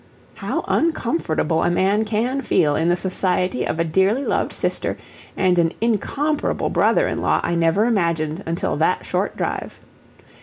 '" How uncomfortable a man CAN feel in the society of a dearly loved sister and an incomparable brother in law I never imagined until that short drive.